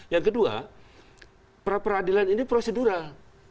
yang kedua pra peradilan ini prosedural